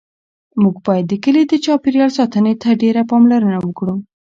موږ باید د کلي د چاپیریال ساتنې ته ډېره پاملرنه وکړو.